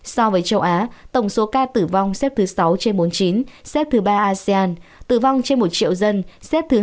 so với châu á tổng số ca tử vong xếp thứ sáu trên bốn mươi chín xếp thứ ba asean tử vong trên một triệu dân xếp thứ hai mươi ba trên hai trăm hai mươi năm